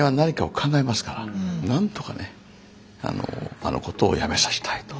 何とかねあのことをやめさせたいと。